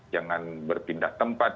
jangan berpindah tempat